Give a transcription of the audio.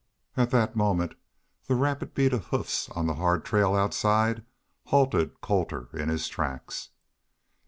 At that moment the rapid beat of hoofs on the hard trail outside halted Colter in his tracks.